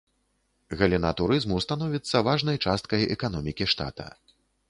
Галіна турызму становіцца важнай часткай эканомікі штата.